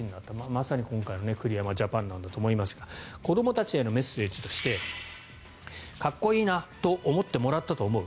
まさに今回の栗山ジャパンなんだと思いますが子どもたちへのメッセージとしてかっこいいなと思ってもらったと思う